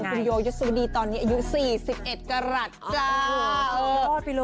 คุณโยยุดีตอนนี้อายุ๔๑กรัฐจ้า